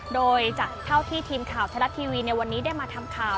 โดยจากเท่าที่ทีมข่าวไทยรัฐทีวีในวันนี้ได้มาทำข่าว